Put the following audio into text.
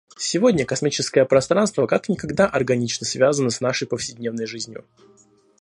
Сегодня космическое пространство как никогда органично связано с нашей повседневной жизнью.